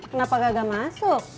kenapa kagak masuk